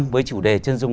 với chủ đề chân dung